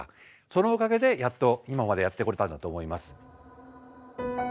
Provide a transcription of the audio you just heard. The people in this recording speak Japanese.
そのおかげでやっと今までやってこれたんだと思います。